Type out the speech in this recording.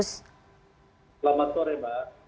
selamat sore mbak